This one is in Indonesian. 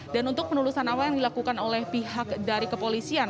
dan untuk penulusan awal yang dilakukan oleh pihak dari kepolisian